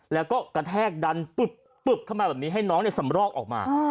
แล้วก็กระแทกดันปึ๊บเข้ามาแบบนี้ให้น้องสำรอกออกมา